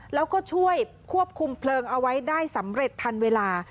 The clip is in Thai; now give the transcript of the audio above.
แล้วก็ช่วยควบคุมเพลิงเอาไว้ได้สำเร็จทันเวลา